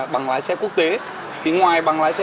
bằng lái xe quốc tế thì ngoài bằng lái xe